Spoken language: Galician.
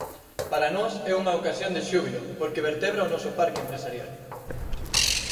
Para nós é unha ocasión de xúbilo porque vertebra o noso parque empresarial.